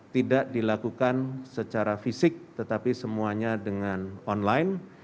tidak dilakukan secara fisik tetapi semuanya dengan online